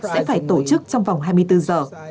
sẽ phải tổ chức trong vòng hai mươi bốn giờ